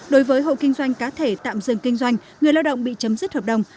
đối với hộ kinh doanh cá thể tạm dừng kinh doanh người lao động bị chấm dứt hợp đồng